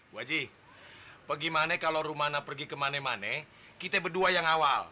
bu aji bagaimana kalo romano pergi ke mana mana kita berdua yang awal